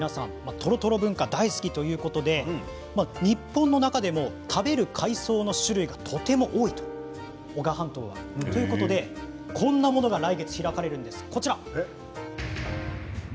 トロトロ文化大好きということで日本の中でも食べる海藻の種類がとても多い男鹿半島ということでこんなものが来月開かれるんです。